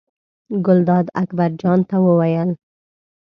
ګلداد اکبر جان ته وویل.